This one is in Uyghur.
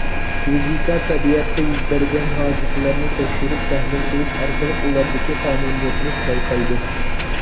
فىزىكا تەبىئەتتە يۈز بەرگەن ھادىسىلەرنى تەكشۈرۈپ تەھلىل قىلىش ئارقىلىق ئۇلاردىكى قانۇنىيەتنى بايقايدۇ.